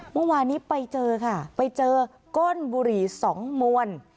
เมื่อวานนี้ไปเจอค่ะไปเจอก้นบุหรี่สองมวล